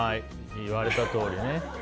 言われたとおりね。